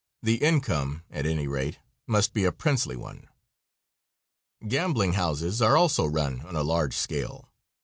The income, at any rate, must be a princely one. Gambling houses are also run on a large scale.